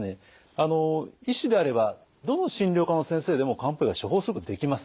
あの医師であればどの診療科の先生でも漢方薬は処方することができます。